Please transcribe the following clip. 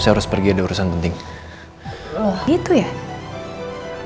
tiba tiba pergi tapi gak ngabarin mau kemana